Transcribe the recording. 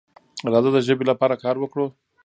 راځه د ژبې لپاره کار وکړو.